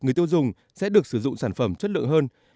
người tiêu dùng sẽ được sử dụng sản phẩm chất lượng hơn